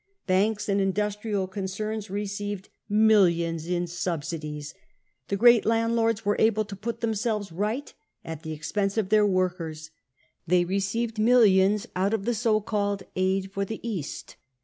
Banks and industrial * Trf XE PATH' TO POWER '* concerns received pillions in. subsidies. The $reat land lords were able to put themselves right at the expense oh their workers. They received millions out of the so called aid for the east."